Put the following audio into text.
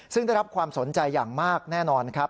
ซึ่งได้รับความสนใจอย่างมากแน่นอนครับ